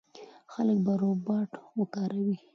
خلک به روباټ وکاروي.